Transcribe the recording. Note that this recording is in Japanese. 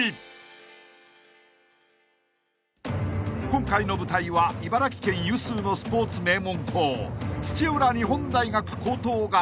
［今回の舞台は茨城県有数のスポーツ名門校］